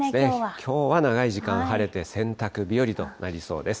きょうは長い時間晴れて、洗濯日和となりそうです。